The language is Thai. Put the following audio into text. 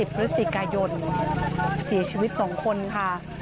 ๒๐พฤศจิกายนสีชีวิตสองคนค่ะ